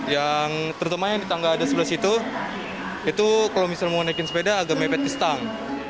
yang terutama yang di tangga ada sebelah situ itu kalau misalnya mau naikin sepeda agak mepet ke stang